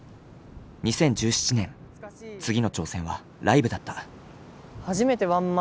２０１７年次の挑戦はライブだった。